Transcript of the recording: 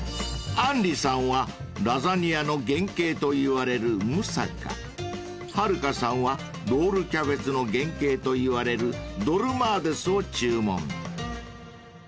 ［あんりさんはラザニアの原型といわれるムサカはるかさんはロールキャベツの原型といわれるドルマーデスを注文］